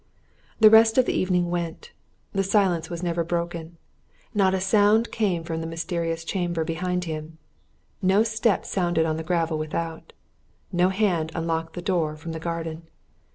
The rest of the evening went: the silence was never broken. Not a sound came from the mysterious chamber behind him. No step sounded on the gravel without: no hand unlocked the door from the garden.